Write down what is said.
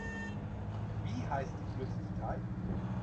Wie heißt die Flüssigkeit?